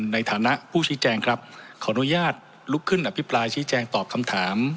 ในฐานะผู้ชี้แจงครับขออนุญาตลุกขึ้นอภิปรายชี้แจงตอบคำถาม